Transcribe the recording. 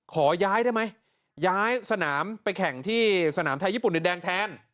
ขอย้ายได้ไหมย้ายสนามไปแข่งที่สนามไทยญี่ปุ่นดินแดงแทน